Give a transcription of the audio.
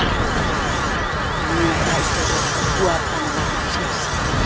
mereka sudah kekuatanmu sos